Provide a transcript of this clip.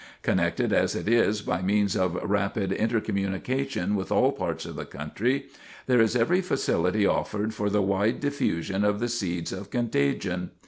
Connected as it is by means of rapid inter communication with all parts of the country, there is every facility offered for the wide diffusion of the seeds of contagion.